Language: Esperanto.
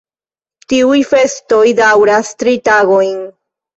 Tiuj festoj daŭras tri tagojn.